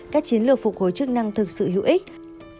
các chiến lược phục hồi chức năng thực sự hữu ích